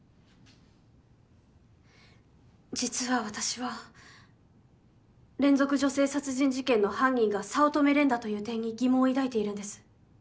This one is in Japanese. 実は私は連続女性殺人事件の犯人が早乙女蓮だという点に疑問を抱いているんです。